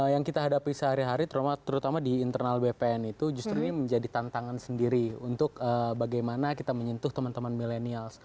yang kita hadapi sehari hari terutama di internal bpn itu justru ini menjadi tantangan sendiri untuk bagaimana kita menyentuh teman teman milenial